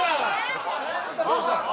どうした？